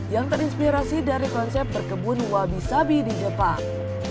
yang terinspirasi dari konsep berkebun wabi sabi di jepang